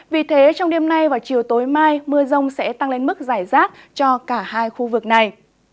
vì thế trong đêm nay và chiều tối mai mưa rông sẽ tăng lên mức giải rác cho cả hai khu vực này